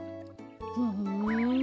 ふん。